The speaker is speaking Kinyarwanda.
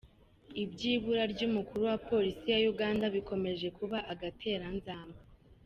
Iby’ ibura ry’ umukuru wa polisi ya Uganda bikomeje kuba agatereranzamba .